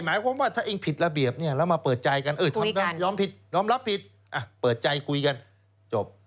หมายความว่าถ้าเองผิดระเบียบเนี่ยเรามาเปิดใจกันย้อมรับผิดเปิดใจคุยกันจบ